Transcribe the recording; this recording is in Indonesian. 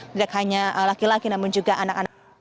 tidak hanya laki laki namun juga anak anak